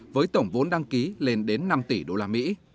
với tổng vốn đăng ký lên đến năm tỷ đô la mỹ